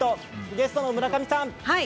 ゲストの村上さん